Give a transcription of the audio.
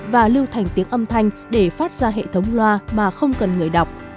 và lưu thành tiếng âm thanh để phát ra hệ thống loa mà không cần người đọc